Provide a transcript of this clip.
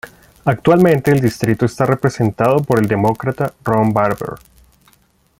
Actualmente el distrito está representado por el Demócrata Ron Barber.